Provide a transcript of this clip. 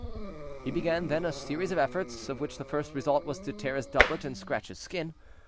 He began then a series of efforts, of which the first result was to tear his doublet and scratch his skin.